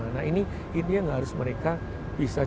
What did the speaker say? nah ini ini yang harus mereka bisa lakukan